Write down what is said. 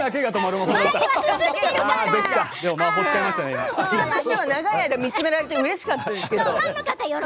こちらとしては長い間見つめられてうれしかったですけど。